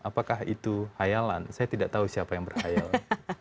apakah itu khayalan saya tidak tahu siapa yang berkhayalan